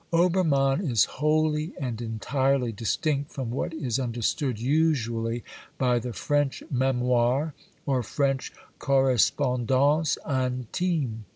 Obermann is wholly and entirely distinct from what is understood usually by the French memoir or French cor respondance intime.